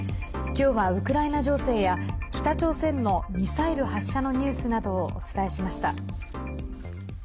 今日はウクライナ情勢や北朝鮮のミサイル発射のニュースなどをお伝えしました。